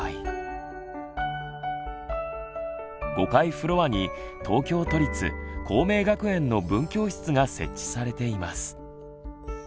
５階フロアに東京都立光明学園の分教室が設置されています。